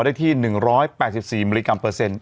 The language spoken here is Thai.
ได้ที่๑๘๔มิลลิกรัมเปอร์เซ็นต์